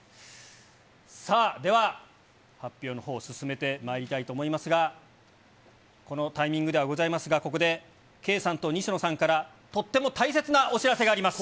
さあ、では発表のほう、進めてまいりたいと思いますが、このタイミングではございますが、ここで、圭さんと西野さんからとっても大切なお知らせがあります。